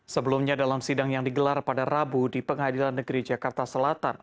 sebelumnya dalam sidang yang digelar pada rabu di pengadilan negeri jakarta selatan